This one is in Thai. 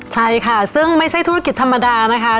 ใช่ค่ะซึ่งไม่ใช่ธุรกิจธรรมดานะคะ